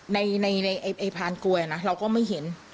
ในพานกลวยนะเราก็ไม่เห็น